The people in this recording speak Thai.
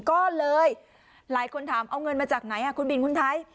ก็เลยหลายคนถามเอาเงินมาจากไหนคุณบินคุณไทย